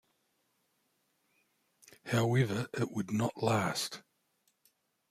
However, it would not last.